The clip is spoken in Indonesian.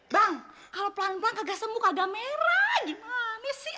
bang kalau pelan pelan kagak semu kagak merah gimana sih